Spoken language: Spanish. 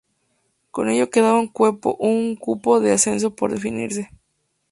Con ello quedaba un cupo de ascenso por definirse.